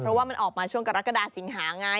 เพราะว่ามันออกมาช่วงกรกฎาสิงหาไง